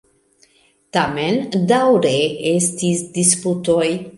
Tamen daŭre estis disputoj.